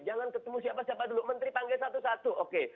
jangan ketemu siapa siapa dulu menteri panggil satu satu oke